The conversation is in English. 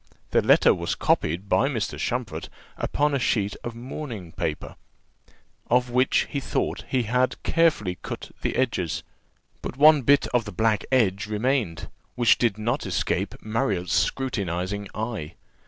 The letter was copied by Mr. Champfort upon a sheet of mourning paper, off which he thought that he had carefully cut the edges; but one bit of the black edge remained, which did not escape Marriott's scrutinizing eye.